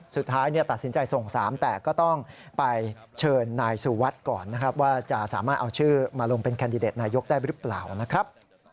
สุดท้ายตัดสินใจส่ง๓แต่ก็ต้องไปเชิญนายสุวัสดิ์ก่อนนะครับว่าจะสามารถเอาชื่อมาลงเป็นแคนดิเดตนายกได้หรือเปล่านะครับ